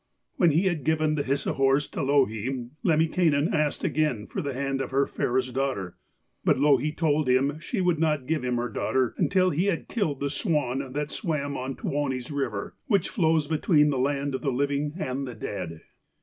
When he had given the Hisi horse to Louhi, Lemminkainen asked again for the hand of her fairest daughter. But Louhi told him she would not give him her daughter until he had killed the swan that swam on Tuoni's river, which flows between the land of the living and the dead.